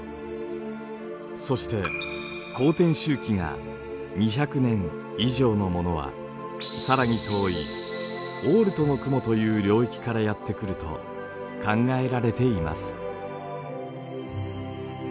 そして公転周期が２００年以上のものは更に遠いオールトの雲という領域からやって来ると考えられています。